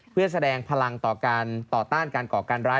เพื่อแสดงพลังต่อการต่อต้านการก่อการร้าย